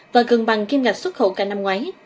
và gần bằng kim ngạch xuất khẩu cả năm ngoái